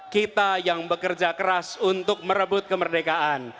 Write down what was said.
kita yang bekerja keras untuk merebut kemerdekaan